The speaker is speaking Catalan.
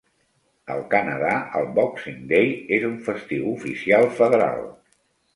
Al Canadà, el "Boxing Day" és un festiu oficial federal.